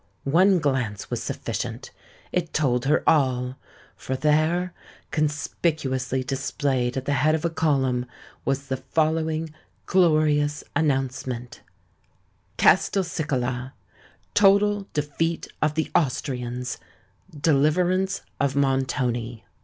One glance was sufficient: it told her all! For there—conspicuously displayed at the head of a column—was the following glorious announcement:— "CASTELCICALA. "TOTAL DEFEAT OF THE AUSTRIANS—DELIVERANCE OF MONTONI.